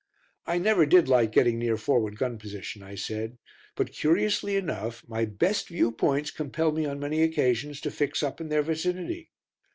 "I never did like getting near forward gun position," I said, "but, curiously enough, my best view points compel me on many occasions to fix up in their vicinity."